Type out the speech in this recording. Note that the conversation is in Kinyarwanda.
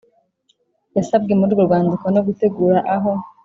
yasabwe muri urwo rwandiko no gutegura aho